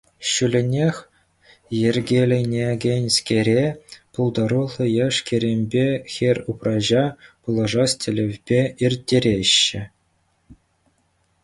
Ҫулленех йӗркеленекенскере пултаруллӑ яш-кӗрӗмпе хӗр-упраҫа пулӑшас тӗллевпе ирттереҫҫӗ.